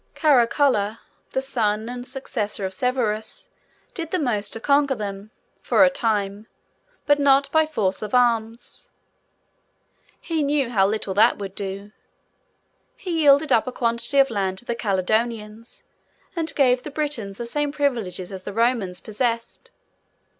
Caracalla, the son and successor of Severus, did the most to conquer them, for a time; but not by force of arms. He knew how little that would do. He yielded up a quantity of land to the Caledonians, and gave the Britons the same privileges as the Romans possessed.